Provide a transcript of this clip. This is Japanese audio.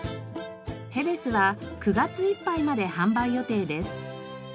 へべすは９月いっぱいまで販売予定です。